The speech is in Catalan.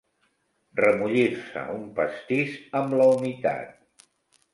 Remollir-se un pastís amb la humitat.